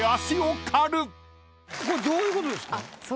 これどういうことですか？